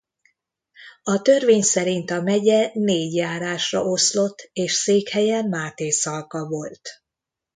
A törvény szerint a megye négy járásra oszlott és székhelye Mátészalka volt.